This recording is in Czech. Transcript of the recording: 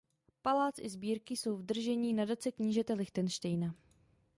Palác i sbírky jsou v držení "Nadace knížete Lichtenštejna".